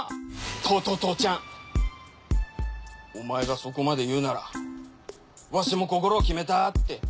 とうとう父ちゃんお前がそこまで言うならわしも心を決めたって。